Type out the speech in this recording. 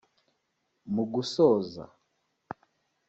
Mu gusoza